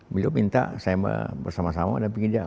beliau minta saya bersama sama dan pingin dia